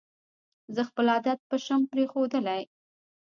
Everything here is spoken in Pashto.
زه خپل عادت پشم پرېښودلې